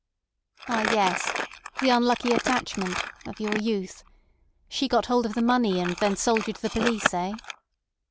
"Ah, yes. The unlucky attachment—of your youth. She got hold of the money, and then sold you to the police—eh?"